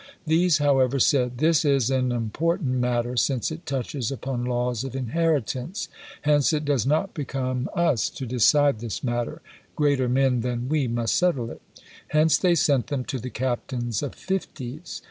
These, however, said: "This is an important matter since it touches upon laws of inheritance, hence it does not become us to decide this matter; greater men than we must settle it." Hence they sent them to the captains of fifties.